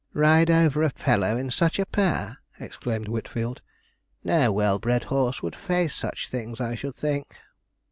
'Ride over a fellow in such a pair!' exclaimed Whitfield. 'No well bred horse would face such things, I should think.'